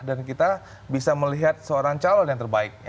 dan kita bisa melihat seorang calon yang terbaik